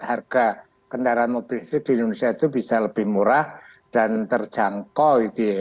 harga kendaraan mobil listrik di indonesia itu bisa lebih murah dan terjangkau